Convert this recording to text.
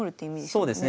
そうですね。